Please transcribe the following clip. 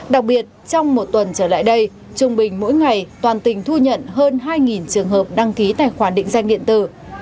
đặc biệt trong một tuần trở lại đây trung bình mỗi ngày toàn tỉnh thu nhận hơn hai trường hợp đăng ký tài khoản định danh điện tử